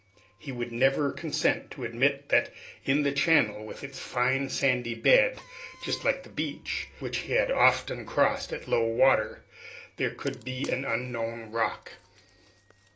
He would never consent to admit that in that channel, with its fine sandy bed, just like the beach, which he had often crossed at low water, there could be an unknown rock.